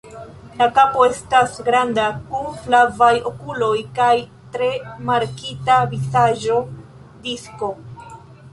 La kapo estas granda, kun flavaj okuloj kaj tre markita vizaĝo disko.